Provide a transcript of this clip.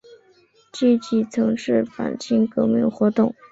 积极从事反清革命活动。